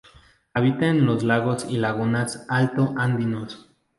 Habita en los lagos y lagunas alto andinos.